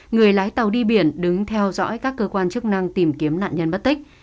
người lái tàu đi biển đứng theo dõi các cơ quan chức năng tìm kiếm nạn nhân bất tích